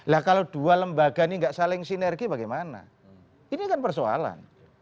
lah kalau dua lembaga ini tidak saling sinergi bagaimana ini kan persoalan